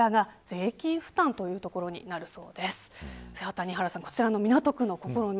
谷原さん、こちらの港区の試み